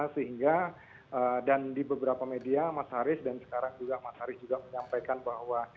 sehingga dan di beberapa media mas haris dan sekarang juga mas haris juga menyampaikan bahwa